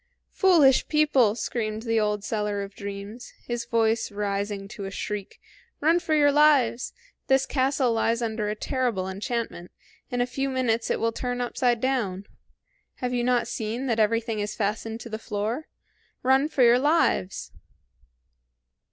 "Foolish people!" screamed the old seller of dreams, his voice rising to a shriek, "Run your lives! This castle lies under a terrible enchantment; in a few minutes it will turn upside down. Have you not seen that everything is fastened to the floor? Run for your lives!"